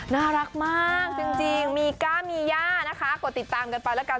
น่ารักมากจริงมีก้ามีย่านะคะกดติดตามกันไปแล้วกัน